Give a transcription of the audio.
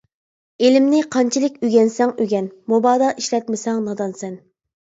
ئىلىمنى قانچىلىك ئۆگەنسەڭ، ئۆگەن، مۇبادا ئىشلەتمىسەڭ نادانسەن.